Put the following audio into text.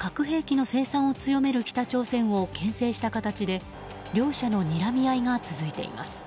核兵器の生産を強める北朝鮮を牽制した形で両者のにらみ合いが続いています。